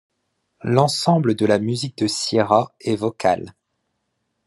L'ensemble de la musique de Ciera est vocale.